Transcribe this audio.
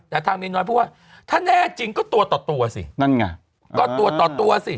แต่ทางเมียน้อยพูดว่าถ้าแน่จริงก็ตัวต่อตัวสินั่นไงก็ตัวต่อตัวสิ